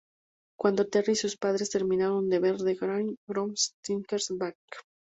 Cuando Terry y sus padres terminaron de ver "The Gray Ghost Strikes Back!